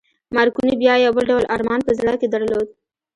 مارکوني بیا یو بل ډول ارمان په زړه کې درلود